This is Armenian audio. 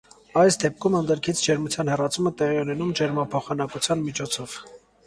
Այս դեպքում ընդերքից ջերմության հեռացումը տեղի է ունենում ջերմափոխանակության միջոցով։